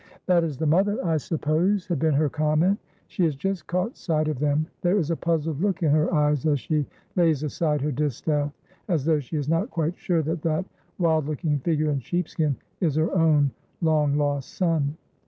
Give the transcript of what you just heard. "That is the mother, I suppose?" had been her comment; "she has just caught sight of them, there is a puzzled look in her eyes as she lays aside her distaff, as though she is not quite sure that that wild looking figure in sheep skin is her own long lost son."